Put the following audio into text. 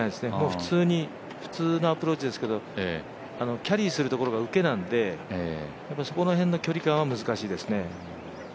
普通に普通のアプローチですけど、キャリーするところが受けなのでやっぱりそこら辺の距離感は難しいですね。